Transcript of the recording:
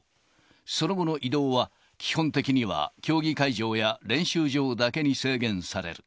その後の移動は、基本的には競技会場や練習場だけに制限される。